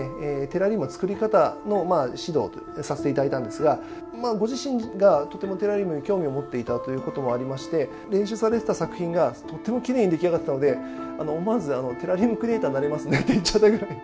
テラリウムの作り方の指導をさせて頂いたんですがご自身がとてもテラリウムに興味を持っていたということもありまして練習されてた作品がとてもきれいに出来上がっていたので思わずテラリウムクリエーターになれますねって言っちゃったぐらい。